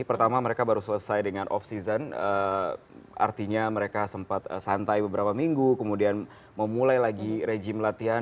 pertama mereka baru selesai dengan off season artinya mereka sempat santai beberapa minggu kemudian memulai lagi rejim latihan